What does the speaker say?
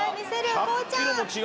こうちゃん！